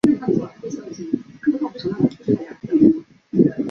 圆腺带形吸虫为双腔科带形属的动物。